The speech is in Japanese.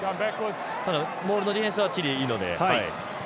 ただモールのディフェンスは、チリいいので。